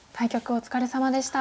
お疲れさまでした。